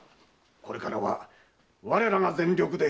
これからは我らが全力で。